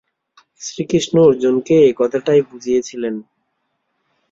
শ্রীকৃষ্ণ অর্জুনকে এই কথাটাই বুঝিয়েছিলেন।